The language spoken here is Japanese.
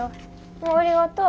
ああありがとう。